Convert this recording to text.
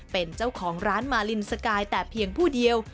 เป็นเจ้าของร้านมาลินสกายแต่เพียงผู้เดียว